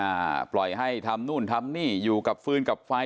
อ่าปล่อยให้ทำนู่นทำนี่อยู่กับฟื้นกับไฟ